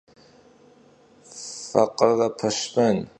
Fakhıre peşmen.